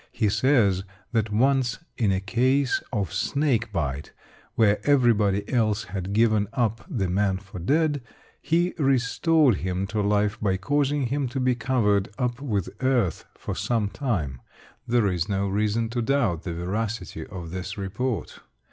He says that once in a case of snake bite, where everybody else had given up the man for dead, he restored him to life by causing him to be covered up with earth for some time. There is no reason to doubt the veracity of this report.